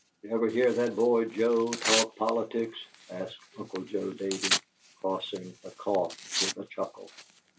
"You ever hear that boy Joe talk politics?" asked Uncle Joe Davey, crossing a cough with a chuckle.